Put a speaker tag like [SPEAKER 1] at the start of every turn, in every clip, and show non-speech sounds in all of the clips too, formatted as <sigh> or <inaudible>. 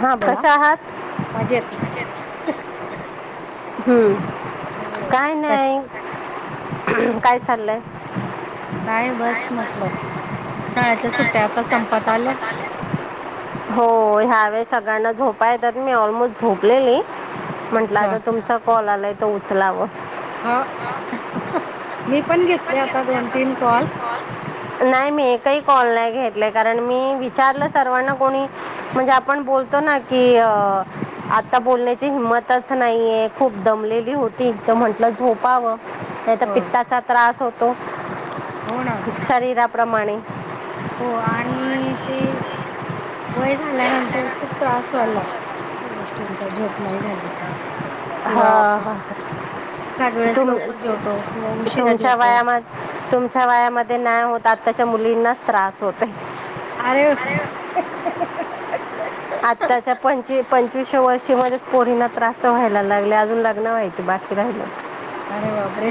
[SPEAKER 1] हा
[SPEAKER 2] बोला
[SPEAKER 1] कस आहात?
[SPEAKER 2] मजेत
[SPEAKER 1] हम्म.
[SPEAKER 2] हो काय
[SPEAKER 1] हम् काय चाललंय
[SPEAKER 2] नाही बस म्हटलं उन्हाळ्याच्या सुट्ट्या आता संपात आल्या
[SPEAKER 1] हो ह्यावेळेस सगळ्यांना झोपा येतात मी ऑलमोस्ट झोपलेली म्हंटलं
[SPEAKER 2] अच्छा
[SPEAKER 1] तर तुमचा कॉल आलाय तो उचलावं
[SPEAKER 2] हा
[SPEAKER 1] मग
[SPEAKER 2] मी पण घेतेत आता दोन तीन कॉल
[SPEAKER 1] नाही मी एकही कॉल नाही घेतला कारण मी विचारलं सर्वांना कोणी म्हणजे आपण बोलतो ना की अ आता बोलण्याची हिंमत च नाहीये खूप दमलेली होती तर म्हंटलं झोपावं नाही तर
[SPEAKER 2] हो
[SPEAKER 1] पित्ताचा त्रास तो
[SPEAKER 2] हो ना
[SPEAKER 1] शरीर प्रमाणे
[SPEAKER 2] हो आणि ते
[SPEAKER 1] ते
[SPEAKER 2] वय झाल्यानंतर खूप त्रास व्हायला. अश्या गोष्टींचा झोप नाही झाली का? किंवा
[SPEAKER 1] हा.
[SPEAKER 2] आपण
[SPEAKER 1] हा.
[SPEAKER 2] एखाद वेळेस लवकर जेवतो किंवा उशिरा
[SPEAKER 1] तुमच्या
[SPEAKER 2] जेवतो
[SPEAKER 1] वया तुमच्या वयामध्ये नाही होत - - आताच्या मुलींनाच त्रास होतयं.
[SPEAKER 2] आरे! हं
[SPEAKER 1] आत्ताच्या पंच पंचवीसशे वर्षी मध्येच पोरींना त्रास व्हायला लागले अजून लग्न व्हायचे बाकी राहिलं.
[SPEAKER 2] अरे बापरे!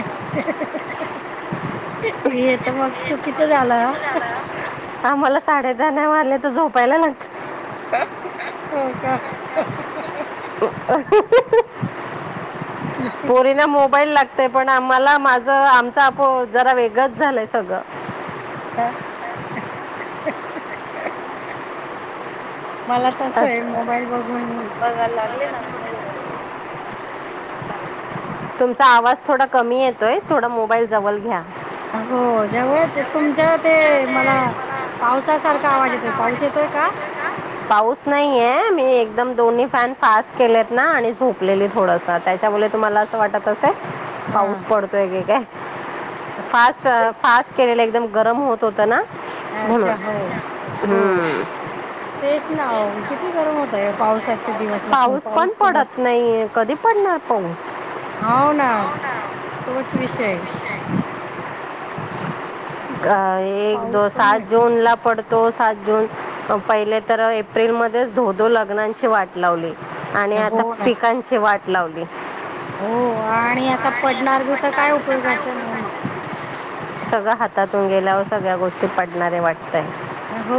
[SPEAKER 2] हे तर मग चुकी - -
[SPEAKER 1] मग चुकीचं
[SPEAKER 2] झालं.
[SPEAKER 1] झालं आम्हाला साडे दहा न मारल्या तर झोपायला लागत.
[SPEAKER 2] हो का?
[SPEAKER 1] <inaudible> पोरीना मोबाईल लाग - - ते पण आम्हाला माझ आमचा आपो जरा वेगंच झालंय सगळं - -
[SPEAKER 2] हो का? नाही हो. मला तसं आहे
[SPEAKER 1] असं.
[SPEAKER 2] मोबाईल बघून बघायला लागले ना - - थोडा एक दोन रिल जरी बघितलं तरी झोप लागते.
[SPEAKER 1] तुमचा आवाज थोडा कमी येतोय. थोडा मोबाईल जवल घ्या.
[SPEAKER 2] हो जव तुमच्या ते मला पावसासारखा आवाज येतोय पाऊस येतोय का?
[SPEAKER 1] एकदम दोन्ही फॅन फास्ट केलेत ना आणि झोपलेली थोडंस त्याच्यामुळे तुम्हाला - - वाटत अस काय पाऊस
[SPEAKER 2] हा
[SPEAKER 1] पडतोय की काय. फास फास्ट केलेले एकदम गरम होत होतं ना. म्हणून
[SPEAKER 2] अच्छा हो हो.
[SPEAKER 1] हम्म.
[SPEAKER 2] तेच ना किती किती गरम होतय?
[SPEAKER 1] खूप त्रास होतोय
[SPEAKER 2] पावसा
[SPEAKER 1] पाऊस पण पडत नाहीये. कधी पडणार? हो. मॅम.
[SPEAKER 2] हो ना तोच
[SPEAKER 1] तोच
[SPEAKER 2] विषय
[SPEAKER 1] विषय. अ एक दो
[SPEAKER 2] पाऊस पण
[SPEAKER 1] सात जुन ला पड - - तो सात जून पहिले तर एप्रिलमध्येच धोधो लग्नांची वाट लावली. आणि
[SPEAKER 2] हो
[SPEAKER 1] आता
[SPEAKER 2] ना
[SPEAKER 1] पिकांची वाट - - लावली.
[SPEAKER 2] हो आणि आता पट - - पडणार बी तर काय उपयोगाच्या नाही मग - -
[SPEAKER 1] सगळं हातातून गेल्यावर सगळ्या गोष्टी पडणारे वाट - -
[SPEAKER 2] हो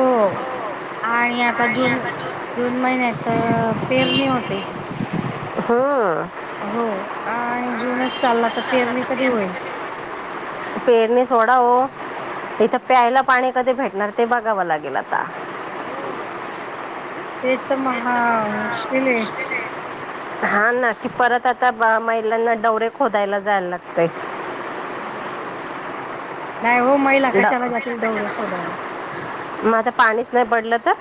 [SPEAKER 2] आणि आता जून जून महिन्यात तर पेरणी होत ते
[SPEAKER 1] हा
[SPEAKER 2] हो आणि जुनच चालला तर पेरणी कधी होईल
[SPEAKER 1] पेरनी सोडा ओ इथं प्यायला पाणी कधी भेटणार ते बघावं लागेल आता
[SPEAKER 2] हो ते तर महा मुश्किल आहे
[SPEAKER 1] हा ना कि परत आता महिलांना डौरे खोदायला जायला लागतंय
[SPEAKER 2] हो नाही हो महिला
[SPEAKER 1] ड
[SPEAKER 2] कशाला
[SPEAKER 1] पहिला
[SPEAKER 2] जातील डवरे
[SPEAKER 1] कशाला
[SPEAKER 2] खोदायला
[SPEAKER 1] जायचं? मग आता पाणीच नाही पडलं तर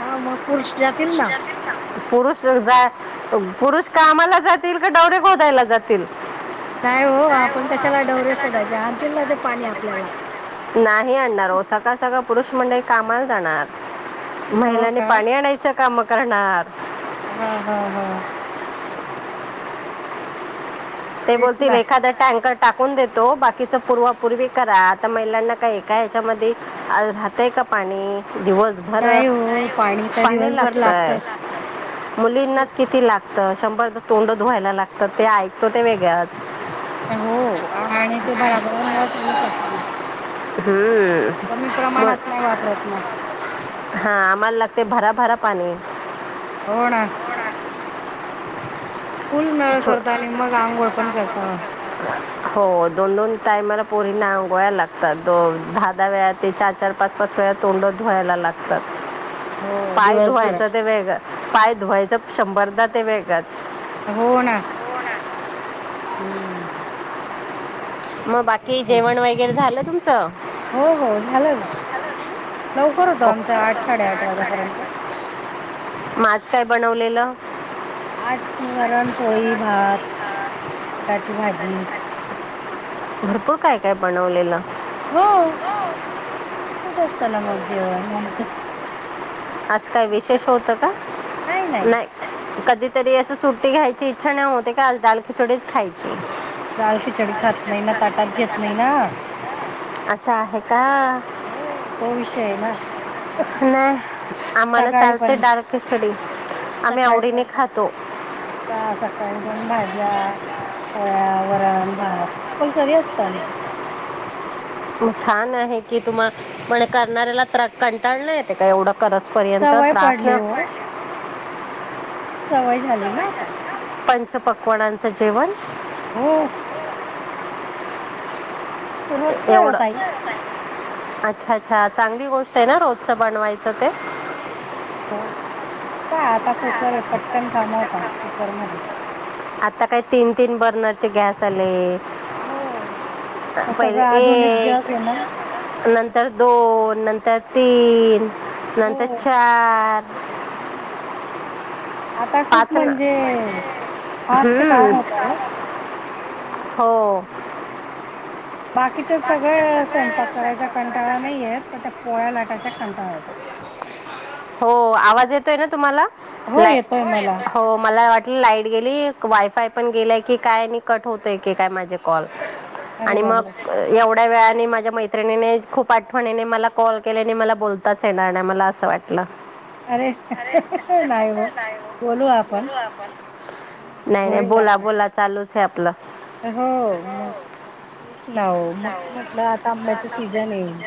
[SPEAKER 2] हा मग पुरुष जातील
[SPEAKER 1] पुरुष
[SPEAKER 2] ना
[SPEAKER 1] जातील ना पुरुष कामाला जातील का डौरे खोदायला जातील
[SPEAKER 2] नाही हो आपण कशाला डवरे खोदायचे आणतील ना ते पाणी आपल्याला
[SPEAKER 1] नाही आणणार हो सकाळ सकाळ पुरुष मंडळी कामाला जाणार
[SPEAKER 2] हो
[SPEAKER 1] महिलांनी
[SPEAKER 2] का
[SPEAKER 1] पाणी आणायचं का मग करणार
[SPEAKER 2] हा हा हा.
[SPEAKER 1] ते
[SPEAKER 2] तेच
[SPEAKER 1] बोलतील
[SPEAKER 2] ना
[SPEAKER 1] एखादा टँकर टाकून देतो बाकीच पूर्वापूर्वी करा आता महिलांना काय एक याच्यामध्ये राहतय का पाणी. दिवसभर
[SPEAKER 2] नाही हो तर
[SPEAKER 1] पाणी
[SPEAKER 2] दिवसभर लागत
[SPEAKER 1] लागतय मुलींनाच किती लागत शंभर तोंड धुवायला लागतं ते ऐ तो ते वेगळत
[SPEAKER 2] हो आणि ते बराबर चालू करताना कमी
[SPEAKER 1] हम्म.
[SPEAKER 2] प्रमाणात नाही वापरत ना
[SPEAKER 1] हा आमलाग भरा भरा पाणी
[SPEAKER 2] होना. फुल नळ करता आणि मग आंघोळ पण करता?
[SPEAKER 1] हो दोन दोन टायमाला पोरी ना आंगोयला लागतात दो दहा दहा वेळा ते चार चार पाच पाच वेळा तोंड धुवायला लागतात.
[SPEAKER 2] हो
[SPEAKER 1] पाय
[SPEAKER 2] दिवसभर
[SPEAKER 1] धुवायचं ते वेगं पाय धुवायचं शंभरदा ते वेगच.
[SPEAKER 2] हो ना. हम्म
[SPEAKER 1] मग बाकी
[SPEAKER 2] तेच ना
[SPEAKER 1] जेवण वगैरे झालं तुम?
[SPEAKER 2] हो, हो झाल,, लवकर होत,
[SPEAKER 1] ओ
[SPEAKER 2] आमच
[SPEAKER 1] आठ
[SPEAKER 2] आठ-साडे-आठ
[SPEAKER 1] साडेआठ
[SPEAKER 2] वाजेपर्यंत.
[SPEAKER 1] वाजता मग आज काय बनवलेलं?
[SPEAKER 2] आज काय वरण पोळी
[SPEAKER 1] सरळ
[SPEAKER 2] भात.
[SPEAKER 1] भात,
[SPEAKER 2] मटाची भाजी.
[SPEAKER 1] भरपूर काय काय बनवलेलं? हो सगळंच
[SPEAKER 2] चला मग
[SPEAKER 1] बनवलं
[SPEAKER 2] जेवायला आमच्या
[SPEAKER 1] जेवण. आज काय विशेष होतं का? नाही कधी तरी असं सुट्टी घ्यायची इच्छा ना होते का आज डाल खिचडीच खायची.
[SPEAKER 2] डालखिचडी खात नाही ना ताटात घेत नाही ना?
[SPEAKER 1] असं आहे. का
[SPEAKER 2] हो तो विषय आहे ना.
[SPEAKER 1] नाही आम्हाला
[SPEAKER 2] सकाळी
[SPEAKER 1] चालतंय
[SPEAKER 2] पण
[SPEAKER 1] डाल खिचडी आम्ही
[SPEAKER 2] सकाळी
[SPEAKER 1] आवडीने
[SPEAKER 2] पण
[SPEAKER 1] खातो.
[SPEAKER 2] हो का सकाळी दोन भाज्या, पोळ्या, वरण, भात कंपल्सरी असतं आमच्यात.
[SPEAKER 1] खूप छान आहे की तुम्हा म्हणजे करणाऱ्याला त्रा कंटाळा नाही येते का एवढं करूसपर्यंत
[SPEAKER 2] सवय
[SPEAKER 1] त्रास
[SPEAKER 2] पडली
[SPEAKER 1] नाही
[SPEAKER 2] हो
[SPEAKER 1] <unintelligible>
[SPEAKER 2] ती सवय झाली ना आता.
[SPEAKER 1] पकवानांचं जेवण
[SPEAKER 2] हो. रोजचं आहे हो ताई.
[SPEAKER 1] एवढं अच्छा अच्छा चांगली गोष्ट आहे ना रोजचं बनवायचं ते.
[SPEAKER 2] हो. काय आता कुकर आहे पटकन काम होता कुकरमध्ये
[SPEAKER 1] आता काय तीन-तीन बर्नरचे गॅस आले.
[SPEAKER 2] हो आता
[SPEAKER 1] पहिले
[SPEAKER 2] सगळं आधुनिक
[SPEAKER 1] एक,
[SPEAKER 2] जग आहे ना
[SPEAKER 1] नंतर दोन, नंत त्यात तीन नंतर
[SPEAKER 2] हो
[SPEAKER 1] चार <inaudible>
[SPEAKER 2] हम्म आता खूप
[SPEAKER 1] पाच ना
[SPEAKER 2] म्हणजे फास्ट
[SPEAKER 1] हम्म
[SPEAKER 2] काम होतं
[SPEAKER 1] फास्ट
[SPEAKER 2] हो.
[SPEAKER 1] होतं. हो.
[SPEAKER 2] हम्म. बाकीच्या
[SPEAKER 1] बाकीचं
[SPEAKER 2] सगळ स्वयंपाक
[SPEAKER 1] सगळं
[SPEAKER 2] करायच्या कंटाळा नाही
[SPEAKER 1] करता
[SPEAKER 2] येत पण त्या पोळ्या लाटायचा कंटाळा येतो.
[SPEAKER 1] हो. आवाज येतोय ना तुम्हाला?
[SPEAKER 2] हो
[SPEAKER 1] लाई
[SPEAKER 2] येतोय
[SPEAKER 1] होय.
[SPEAKER 2] मला
[SPEAKER 1] हो मला वाटलं लाईट गेली. वाय कायपण गेल की काय नि कट होतय की काय माझे कॉल.
[SPEAKER 2] अरे
[SPEAKER 1] आणि मग
[SPEAKER 2] बापरे!
[SPEAKER 1] एवढ्या वेळा आणि माझ्या मैत्र खूप आठवणीने मला कॉल के मला बोलताच येणार नाही मला असं वाटलं
[SPEAKER 2] अरे नाही हो बोलू आपण
[SPEAKER 1] नाही नाही
[SPEAKER 2] होईल
[SPEAKER 1] बोला
[SPEAKER 2] आपलं
[SPEAKER 1] बोला चालू सपला
[SPEAKER 2] हो मग तेच नाव मग म्हटलं आता आंब्याच सीजन येल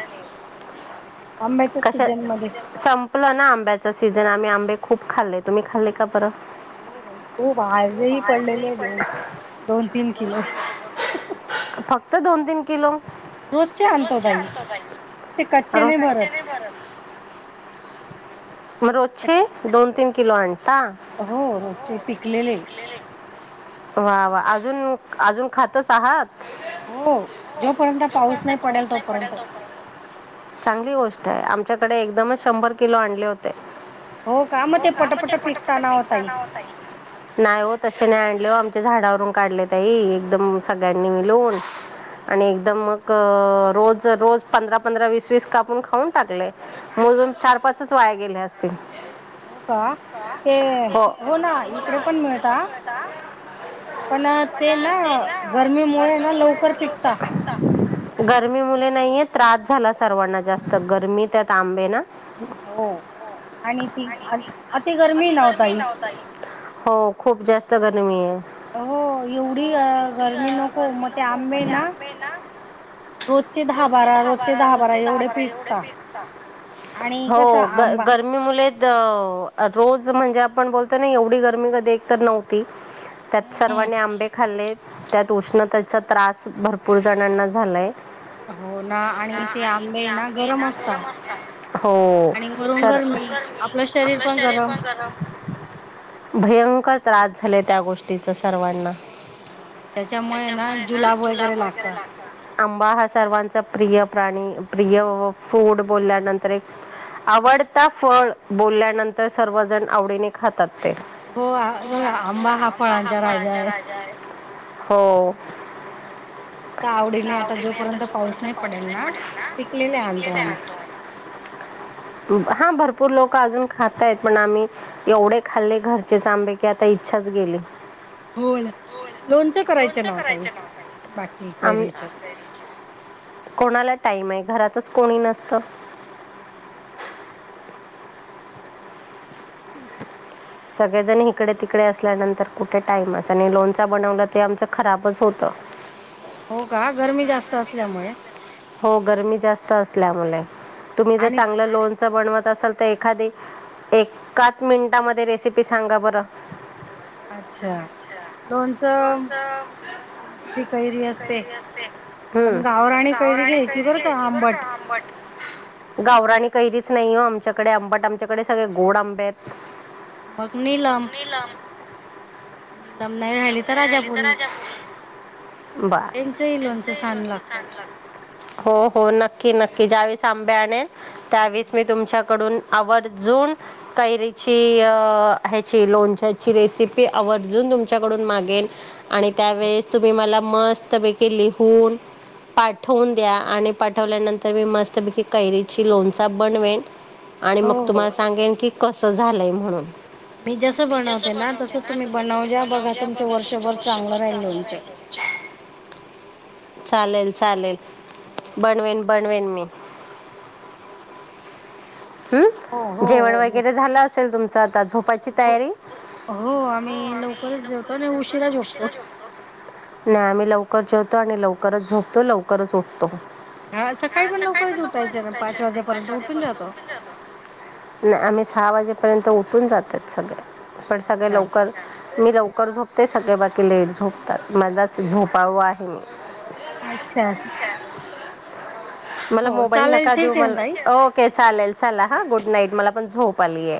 [SPEAKER 1] कश संपल ना आंब्याचा सीझन आम्ही आंबे खूप खाल्ले तुम्ही खालीये का बरं
[SPEAKER 2] हो भाई खूप आज
[SPEAKER 1] हो
[SPEAKER 2] ह
[SPEAKER 1] भाजी
[SPEAKER 2] पडलेले आहे
[SPEAKER 1] पडले
[SPEAKER 2] दोन दोन तीन किलो
[SPEAKER 1] तर दोन तीन किलो
[SPEAKER 2] रोजचे आणतो तई असे कच्चे नाही भर
[SPEAKER 1] शर मड <unintelligible> म्ह रोजचे दोन तीन किलो आणिं
[SPEAKER 2] हो रोजचे पिकलेले
[SPEAKER 1] वा वा अजून अजून खातच आहात
[SPEAKER 2] हो जोपर्यंत पाऊस नाही पडेल तोपर्यंत
[SPEAKER 1] चांगली गोष्ट आमच्याकडे एकदमच शंभर किलो आणले होते.
[SPEAKER 2] मग
[SPEAKER 1] हो का म ते
[SPEAKER 2] पिकता
[SPEAKER 1] पटपट
[SPEAKER 2] ना ओ ताई
[SPEAKER 1] पिकताना होत नाही होत नोय ओ ताई हे आणल आमच्या झाडावरून काढले ताई एकदम सगळ्यांनी मिळून आणि
[SPEAKER 2] अच्छा
[SPEAKER 1] एकदम मग रोज रोज पंधरा पंधरा वीस वीस कापून खाऊन टाकले मजून चार पाच वाया गेले गेले असतील
[SPEAKER 2] हो का ते हो ना इकडे पण मिळता पण ते ना गर्मीमुळे ना लवकर पिकतात
[SPEAKER 1] गरमी मुले नाहीे त्रास झाला सर्वांना जास्त तर गरमी त्यात आंबे ना
[SPEAKER 2] हो आणि ती अति गरमी
[SPEAKER 1] अति
[SPEAKER 2] ना ताई
[SPEAKER 1] नव्हता हो खूप जास्त गरमी आहे
[SPEAKER 2] हो एवढी
[SPEAKER 1] हो एवढी अ,
[SPEAKER 2] गरमी नको
[SPEAKER 1] गरमी
[SPEAKER 2] मग ते
[SPEAKER 1] नको
[SPEAKER 2] आंबे
[SPEAKER 1] म्हणजे
[SPEAKER 2] ना रोजचे दहा बारा रोजचे दहा बारा एवढे पीक
[SPEAKER 1] पिकतात हो ग
[SPEAKER 2] आंबा
[SPEAKER 1] गर्मी मुलेच अ रोज म्हणजे आपण बोलतोय ना एवढी गरमी कधी एक तर नव्हती त्यात
[SPEAKER 2] हम्म
[SPEAKER 1] सर्वाांनी
[SPEAKER 2] हम्म
[SPEAKER 1] आंबे खाल्ले त्यात उष्णते त्याचा त्रास भरपूर जणांना झालाय हो
[SPEAKER 2] हो ना आणि ते आंबे ना
[SPEAKER 1] आंबे ना गरम असतात हो
[SPEAKER 2] आणि वरून
[SPEAKER 1] त्यातून
[SPEAKER 2] गरमी
[SPEAKER 1] गर्मी आपलं शरीर
[SPEAKER 2] गरम
[SPEAKER 1] पण गरम भयंकर
[SPEAKER 2] त्याच्यामुळे
[SPEAKER 1] त्रास झालाय त्या त्या गोष्टीचा सर्वांना
[SPEAKER 2] हो मग त्याच्यामुळे
[SPEAKER 1] त्याचा
[SPEAKER 2] ना
[SPEAKER 1] मुळे जुलाब वगैरे लागतात आंबा हा सर्वांचा प्रिय प्राणी प्रिय हो फूड बोलल्यानंतर एक आवडता फळ बोलल्यानंतर सर्वजण आवडीने खातात ते
[SPEAKER 2] हो ब हा आंबा हा फळांचा राजा आहे.
[SPEAKER 1] हो.
[SPEAKER 2] आवडीने आता जोपर्यंत पाऊस नाही पडेल ना पिकलेला आ आणतो आम्ही.
[SPEAKER 1] आम्ही. हा भरपूर लोक अजून खातयत पण आम्ही एवढे खाल्ले घरचेच आंबे की आता इच्छाच गेली
[SPEAKER 2] बोला
[SPEAKER 1] दोन
[SPEAKER 2] लोणचं करायचं ना ओ ताई बाकी
[SPEAKER 1] आम
[SPEAKER 2] कैरीचं
[SPEAKER 1] टाईमे घरातच कोणी नसतं.
[SPEAKER 2] हम्म. अच्छा.
[SPEAKER 1] सगळेजण इिकडे तिकडे असल्यानंतर कुठे टाइमच आणि लोणचा बनवला ते आमच खराबच होत.
[SPEAKER 2] हो का गरमी जास्त असल्यामुळे
[SPEAKER 1] हो गरमी जास्त असल्यामुळे तुम्ही जर
[SPEAKER 2] आणि
[SPEAKER 1] चांगलं लोनच बनवत असाल एखादी एकाच मिनिटामध्ये रेसिपी सांगा बरं
[SPEAKER 2] अच्छा लोणचं ती कैरी असते पण गावराणी कैरी घ्यायची बरं का आंबट
[SPEAKER 1] गावराणी कैलीच नाही हो आमच्याकडे आंबाट आमच्याकडे सगळे गोड आंब्या आहेत
[SPEAKER 2] मग नीलम नाही राहिली तर राजापुरी यांचंही लोणचं छान लागतं
[SPEAKER 1] हो नक्की नक्की ज्या वेळेस त्याने त्यावेस मी तुमच्याकडून आवर्जून कैरीची ह्याची लोणच्याची रेसिपी आवर्जून तुमच्या कडून मागेन. आणि त्यावेळेस तुम्ही मला मस्त मस्तपैकी लिहून पाठवून द्या आणि पाठवल्यानंतर मी मस्तपैकी कैरीची लोणचा बनवेन आणि
[SPEAKER 2] हो
[SPEAKER 1] मग
[SPEAKER 2] हो
[SPEAKER 1] तुम्हाला सांगेन की कसं झालंय म्हणून
[SPEAKER 2] मी जसं बनवते ना तस तुम्ही बनव
[SPEAKER 1] ब नवजा बघा तुमचं वर्षभर चांगलं राहिल तुमच्या चालेल चालेल
[SPEAKER 2] हो.
[SPEAKER 1] बनवेन बनवेन मी
[SPEAKER 2] हो
[SPEAKER 1] हम्
[SPEAKER 2] हो
[SPEAKER 1] जेवण
[SPEAKER 2] हो मी
[SPEAKER 1] वगैरे झालं असेल तुमच आता झोपाची
[SPEAKER 2] हो
[SPEAKER 1] तयारी
[SPEAKER 2] ेवतो आणि
[SPEAKER 1] लवकरच जेवतो
[SPEAKER 2] उशीरा झोपतो
[SPEAKER 1] उशिरा झोपतो नाही आम्ही लवकर जेवतो आणि लवकरच झोपतो लवकरच उठतो
[SPEAKER 2] हा सकाळी पण लवकरच उठायचं ना पाच वाजेपर्यंत उठून जातो
[SPEAKER 1] नाही आम्ही सहा वाजेपर्यंत उठून जातात सगळ्यात पण सगळे
[SPEAKER 2] अच्छा.
[SPEAKER 1] लवकर लवकर झोपते सगळे बाकी लेट झोपतात माझाच झोपावा आहे मी
[SPEAKER 2] अच्छा
[SPEAKER 1] अच्छा मला
[SPEAKER 2] हो
[SPEAKER 1] मोबाईल
[SPEAKER 2] चालेल
[SPEAKER 1] नका देऊ
[SPEAKER 2] ठीक आहे ना ताई.
[SPEAKER 1] मला ओके चालेल ला हा
[SPEAKER 2] हो.
[SPEAKER 1] गुड नाईट मला पण झोप पाले